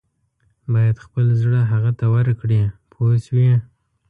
باید خپل زړه هغه ته ورکړې پوه شوې!.